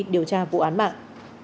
điều tra vụ án mạng